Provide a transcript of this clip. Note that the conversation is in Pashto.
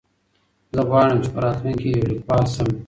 زه غواړم چې په راتلونکي کې یو لیکوال شم.